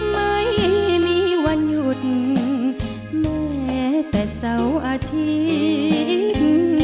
ไม่มีวันหยุดแม้แต่เสาร์อาทิตย์